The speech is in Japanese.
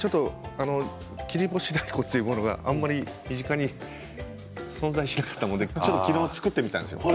切り干し大根というものがあまり身近に存在しなかったものでちょっと家で使ってみたんですよ。